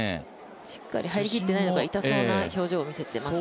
しっかり入りきってないのか痛そうな表情を見せています。